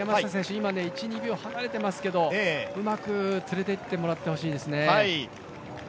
今、１２秒離れていますけどもうまく連れて行ってもらいたいですね。